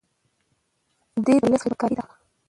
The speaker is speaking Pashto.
دی د ولس خدمتګار دی.